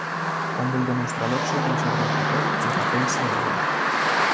Cuando el demostrador sopla sobre el papel, el papel se eleva.